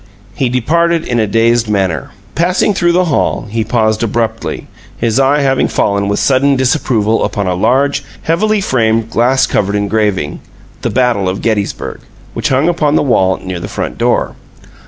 He departed in a dazed manner. Passing through the hall, he paused abruptly, his eye having fallen with sudden disapproval upon a large, heavily framed, glass covered engraving, "The Battle of Gettysburg," which hung upon the wall, near the front door.